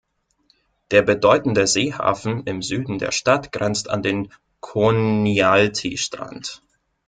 Der bedeutende Seehafen im Süden der Stadt grenzt an den Konyaaltı-Strand.